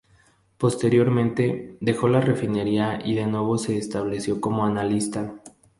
Posteriormente dejó la refinería y de nuevo se estableció como analista.